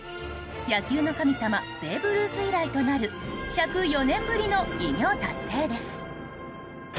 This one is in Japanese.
野球の神様ベーブ・ルース以来となる１０４年ぶりの偉業達成です。